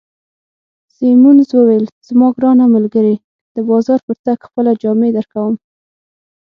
سیمونز وویل: زما ګرانه ملګرې، د بازار پر تګ خپله جامې درکوم.